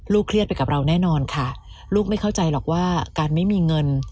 เครียดไปกับเราแน่นอนค่ะลูกไม่เข้าใจหรอกว่าการไม่มีเงิน